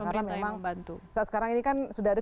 karena memang saat sekarang ini kan sudah ada